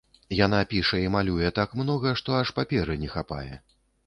Яна піша і малюе так многа, што аж паперы не хапае.